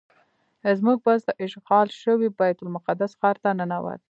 زموږ بس د اشغال شوي بیت المقدس ښار ته ننوت.